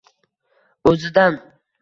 O’zidan!